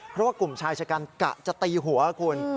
เพราะว่ากลุ่มชายชะกันกะจะตีหัวคุณ